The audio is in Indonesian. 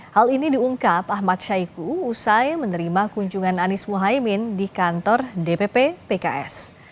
hal ini diungkap ahmad syaiqo usai menerima kunjungan anies muhaymin di kantor dpp pks